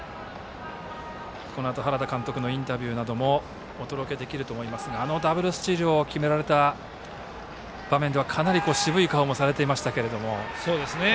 このあと原田監督のインタビューなどもお届けできると思いますがあのダブルスチールを決められた場面ではかなり渋い顔もされていましたが。